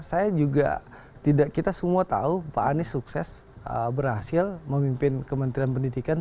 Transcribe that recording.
saya juga tidak kita semua tahu pak anies sukses berhasil memimpin kementerian pendidikan